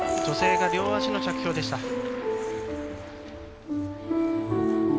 女性が両足の着氷でした。